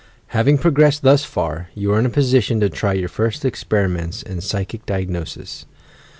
Having progressed thus far, you are in a position to try j our first experiments in psychical diagnosis.